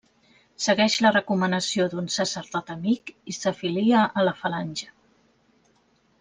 Segueix la recomanació d'un sacerdot amic i s'afilia a la Falange.